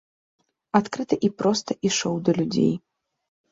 Адкрыта і проста ішоў да людзей.